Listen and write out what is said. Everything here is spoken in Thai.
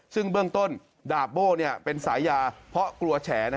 ซึ่งเบื้องต้นดาบโบ้เป็นสายยาเพราะกลัวแฉ